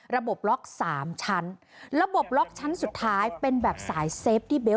ระบบล็อกสามชั้นระบบล็อกชั้นสุดท้ายเป็นแบบสายเซฟที่เบลต